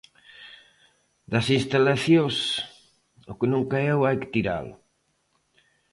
Das instalacións, o que non caeu hai que tiralo.